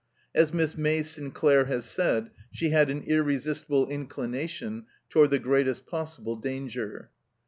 As Miss May Sinclair has said, " she had an irresistible inclination toward the greatest possible danger."